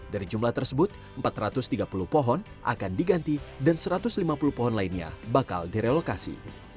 dari jumlah tersebut empat ratus tiga puluh pohon akan diganti dan satu ratus lima puluh pohon lainnya bakal direlokasi